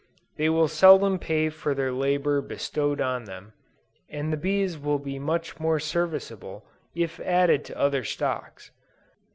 They will seldom pay for the labor bestowed on them, and the bees will be much more serviceable, if added to other stocks.